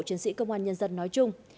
chính sĩ công an nhân dân nói chung